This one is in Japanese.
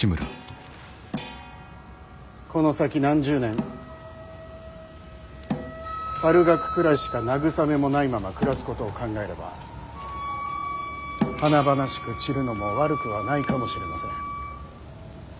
この先何十年猿楽くらいしか慰めもないまま暮らすことを考えれば華々しく散るのも悪くはないかもしれません。